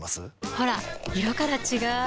ほら色から違う！